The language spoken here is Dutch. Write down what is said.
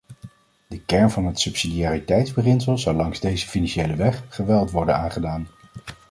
De kern van het subsidiariteitsbeginsel zou langs deze financiële weg geweld worden aangedaan.